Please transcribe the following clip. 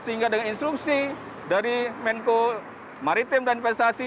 sehingga dengan instruksi dari menko maritim dan investasi